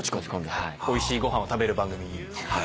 おいしいご飯を食べる番組。